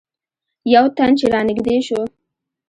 یو تن چې رانږدې شو.